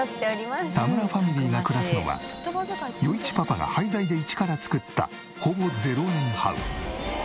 田村ファミリーが暮らすのは余一パパが廃材で一から造ったほぼ０円ハウス。